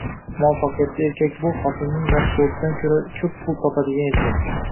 Muvaffaqiyatli erkak bu - Xotinining rasxodidan ko'ra ko'p pul topadigan erkak.